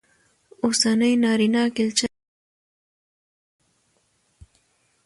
اوسنى نارينه کلچر بدل شي